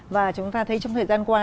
và chúng ta thấy trong thời gian qua